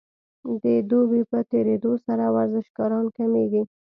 د دوبي په تیریدو سره ورزشکاران کمیږي